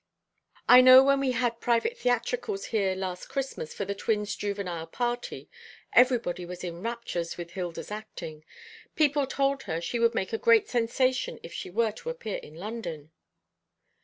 I know when we had private theatricals here last Christmas for the twins' juvenile party, everybody was in raptures with Hilda's acting. People told her she would make a great sensation if she were to appear in London."